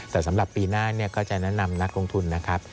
แต่สำหรับปีหน้าก็จะแนะนำนักลงทุนนะครับ